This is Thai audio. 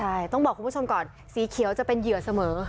ใช่ต้องบอกคุณผู้ชมก่อนสีเขียวจะเป็นเหยื่อเสมอ